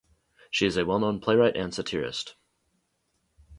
She is a well-known playwright and satirist.